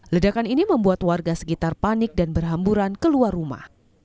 ledakan ini membuat warga sekitar panik dan berhamburan keluar rumah